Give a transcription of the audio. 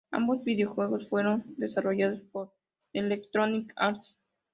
Ambos videojuegos fueron desarrollados por Electronic Arts.